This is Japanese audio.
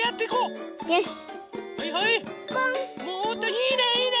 いいねいいね！